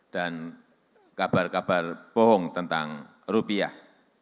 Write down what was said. dan kabar kabar bohong tentang rupiah